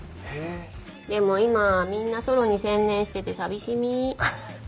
でも今はみんなソロに専念してて寂しみー。